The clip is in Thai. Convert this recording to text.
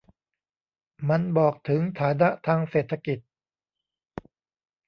มันบอกถึงฐานะทางเศรษฐกิจ